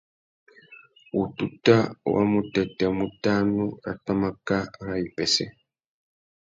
Wututa wa mutêtê mutānú râ pwámáká râ wipêssê.